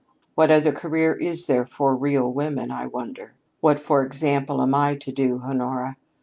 "What other career is there for real women, I wonder? What, for example, am I to do, Honora?